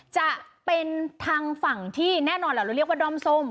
จะเป็นทางฝั่งที่แน่นอนแหละเราเรียกว่าด้อมส้ม